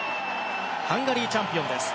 ハンガリーチャンピオンです。